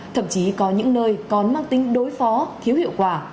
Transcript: thậm chí có những nơi còn mang tính đối phó thiếu hiệu quả